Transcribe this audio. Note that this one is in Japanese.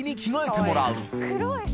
黒い！